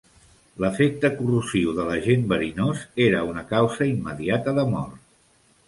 L'efecte corrosiu de l'agent verinós era una causa immediata de mort.